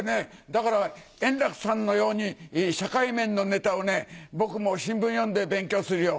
だから、円楽さんのように社会面のネタをね、僕も新聞読んで勉強するよ。